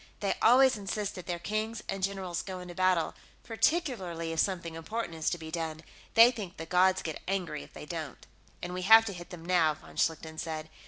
They always insist that their kings and generals go into battle, particularly if something important is to be done. They think the gods get angry if they don't." "And we have to hit them now," von Schlichten said.